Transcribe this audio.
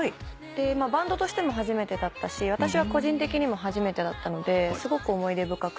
バンドとしても初めてだったし私は個人的にも初めてだったのですごく思い出深くて。